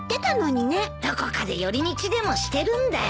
どこかで寄り道でもしてるんだよ。